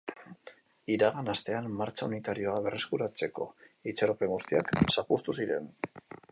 Iragan astean martxa unitarioa berreskuratzeko itxaropen guztiak zapuztu ziren.